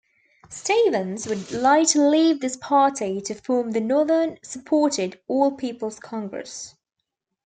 Stevens would later leave this party to form the northern supported All Peoples Congress.